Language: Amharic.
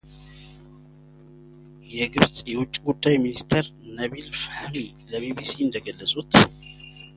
የግብጽ የውጭ ጉዳይ ሚኒስትር ነቢል ፋሕሚ ለቢቢሲ እንደገለጹት